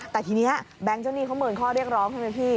แต่ทีนี้แบงค์เจ้าหนี้เขาเมินข้อเรียกร้องใช่ไหมพี่